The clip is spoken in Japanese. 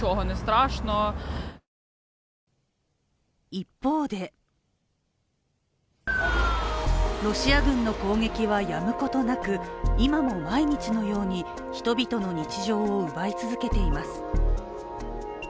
一方でロシア軍の攻撃はやむことなく今も毎日のように人々の日常を奪い続けています。